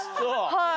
はい。